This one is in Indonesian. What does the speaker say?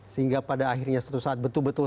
sehingga pada akhirnya suatu saat betul betul